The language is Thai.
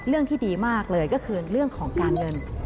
เรื่องที่ดีมากเลยก็คือเรื่องของการเงิน